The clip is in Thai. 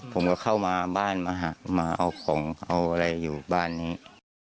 ผมก็เข้ามาบ้านมาเอาของเอาอะไรอยู่บ้านนี้